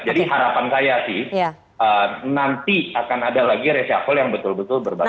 jadi harapan saya sih nanti akan ada lagi resiakul yang betul betul berbahasa